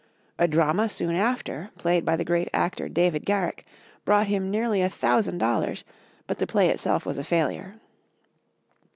A drama soon after, played by the great actor, David Garrick, brought him nearly a thousand dollars; but the play itself was a failure.